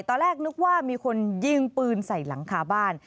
ตอนแรกนึกว่ามีคนยิงปืนใส่หลังคาบ้าน